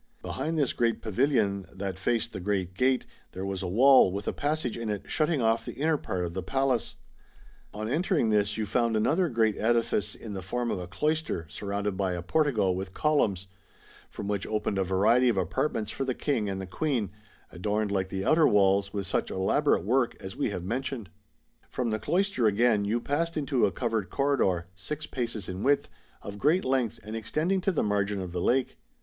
Behind this great Pavilion that faced the great gate, there was a wall with a passage in it shutting off the inner part of the Palace, On Fanfur, in Ramusio. 1 64 MARCO POLO. Book II. entering tliis you found another great edifice in the form of a cloister surrounded by a portico with columns, from which opened a variety of apartments for the King and the Queen, adorned like the outer walls with such elaborate work as we have mentioned. From the cloister again you passed into a covered corridor, six paces in width, of great length, and extending to the margin of the lake.